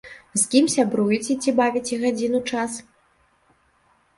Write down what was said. З кім сябруеце, ці бавіце гадзіну час?